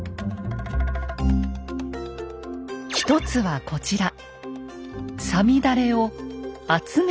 一つはこちら。